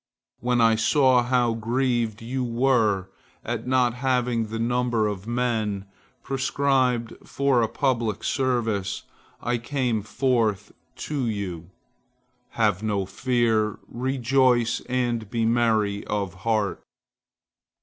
When I saw how grieved you were at not having the number of men prescribed for a public service, I came forth to you. Have no fear! Rejoice and be merry of heart!"